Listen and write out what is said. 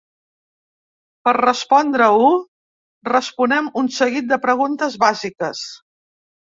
Per respondre-ho, responem un seguit de preguntes bàsiques.